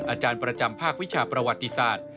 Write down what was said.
อาจารย์ประจำภาควิชาประวัติศาสตร์